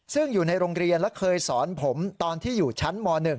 ซึ่งอยู่ในโรงเรียนและเคยสอนผมตอนที่อยู่ชั้นม๑